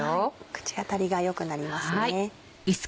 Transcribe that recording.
口当たりが良くなりますね。